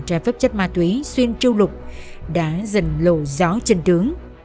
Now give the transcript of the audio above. trái phép chất ma túy xuyên châu lục đã dần lộ gió chân tướng